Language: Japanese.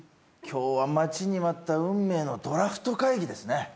今日は待ちに待った運命のドラフト会議ですね。